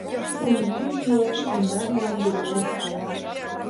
Кочкын-йӱын илаш мемнан мландына уке.